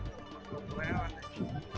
ini kita melakukan tuas